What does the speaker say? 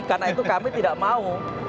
karena itu kami tidak mau